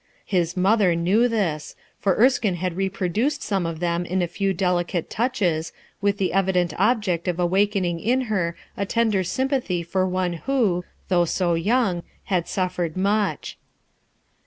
Ilia mother knew this, for Erskine had reproduced some of them in a few delicate touches, with the evident object of awakening in her a tender sympathy for one who, though so young, had suffered much.